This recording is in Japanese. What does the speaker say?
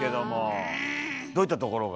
どういったところが？